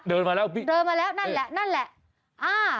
เดินมาแล้วนั่นแหละนั่นแหละ